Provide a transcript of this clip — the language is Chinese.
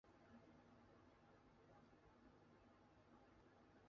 元宪宗时置通海千户所。